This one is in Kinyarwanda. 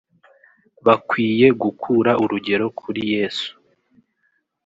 bakwiye gukura urugero kuri Yesu